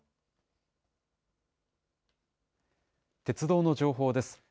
鉄道の情報です。